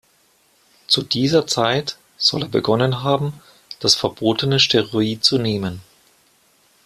Zu dieser Zeit soll er begonnen haben, das verbotene Steroid zu nehmen.